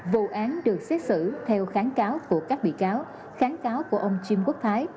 vụ án được xét xử theo kháng cáo của các bị cáo kháng cáo của ông chiêm quốc thái